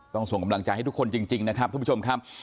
ส่งกำลังใจให้ทุกคนจริงนะครับทุกผู้ชมครับ